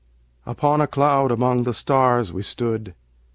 Upon a cloud among the stars we stood.